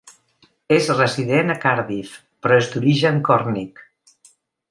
És resident a Cardiff però és d'origen còrnic.